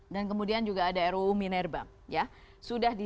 dan kemudian juga ada ruu minerba